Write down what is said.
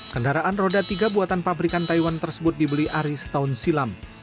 kendaraan roda tiga buatan pabrikan taiwan tersebut dibeli aris tahun silam